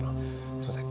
すみません